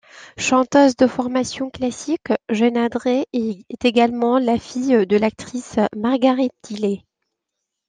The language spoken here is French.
Chanteuse de formation classique, Jenna Drey est également la fille de l'actrice Margaret Teele.